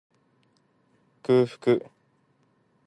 空腹